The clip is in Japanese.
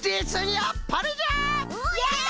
やった！